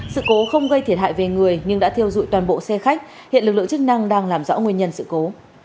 sự cố không gây thiệt hại về người nhưng đã thiêu dụi toàn bộ xe khách hiện lực lượng chức năng đang làm rõ nguyên nhân sự cố